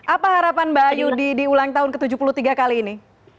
apa harapan mbak ayu di ulang tahun ke tujuh puluh tiga kali ini